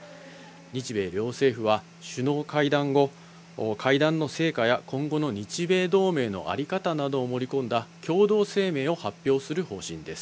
日米両政府は首脳会談後、会談の成果や今後の日米同盟の在り方などを盛り込んだ共同声明を発表する方針です。